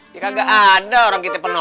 ya kagak ada orang kita penonton